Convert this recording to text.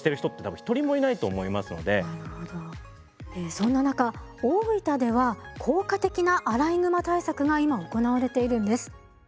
そんな中大分では効果的なアライグマ対策が今行われているんです。